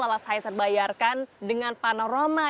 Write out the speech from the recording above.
lalu saya terbayarkan dengan panorama